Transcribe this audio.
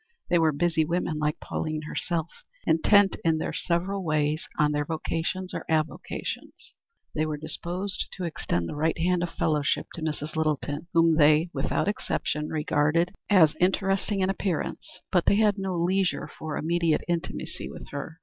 They were busy women like Pauline herself, intent in their several ways on their vocations or avocations. They were disposed to extend the right hand of fellowship to Mrs. Littleton, whom they without exception regarded as interesting in appearance, but they had no leisure for immediate intimacy with her.